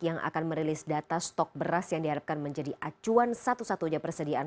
yang akan merilis data stok beras yang diharapkan menjadi acuan satu satunya persediaan